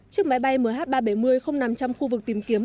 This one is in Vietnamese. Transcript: chiếc máy bay mh ba trăm bảy mươi không nằm trong khu vực tìm kiếm